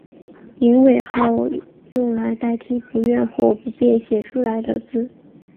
隐讳号用来代替不愿或不便写出来的字。